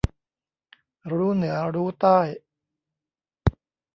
รู้เหนือรู้ใต้